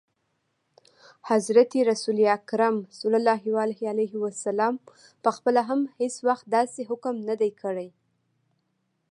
حضرت رسول اکرم ص پخپله هم هیڅ وخت داسي حکم نه دی کړی.